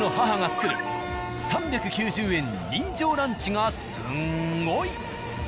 ３９０円人情ランチがスンゴイ。